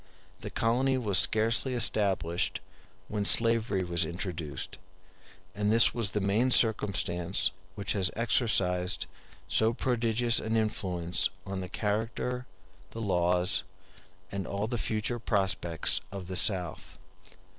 The colony was scarcely established when slavery was introduced, *d and this was the main circumstance which has exercised so prodigious an influence on the character, the laws, and all the future prospects of the South.